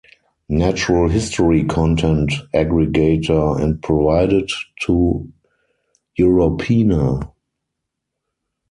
Natural History content aggregator and provided to Europeana.